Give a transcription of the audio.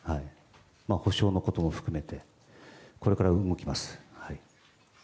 補償のことも含めて、これから動きます。